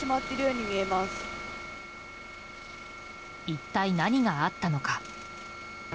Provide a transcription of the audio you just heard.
一体何があったのか。